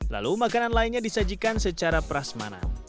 lalu makanan lainnya disajikan secara prasmanan